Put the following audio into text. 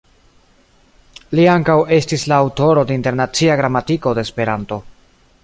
Li ankaŭ estis la aŭtoro de "Internacia Gramatiko de Esperanto.